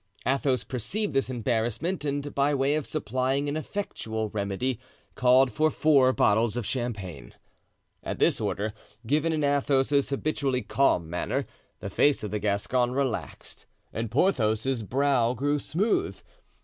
Athos perceived this embarrassment, and by way of supplying an effectual remedy, called for four bottles of champagne. At this order, given in Athos's habitually calm manner, the face of the Gascon relaxed and Porthos's brow grew smooth.